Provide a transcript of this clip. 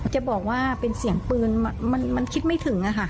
จะบอกว่าเป็นเสียงปืนมันคิดไม่ถึงอะค่ะ